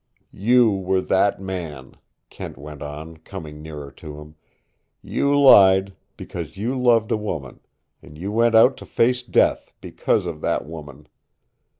"You were that man," Kent went on, coming nearer to him. "You lied, because you loved a woman, and you went out to face death because of that woman.